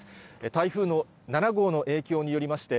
台風７号の影響によりまして、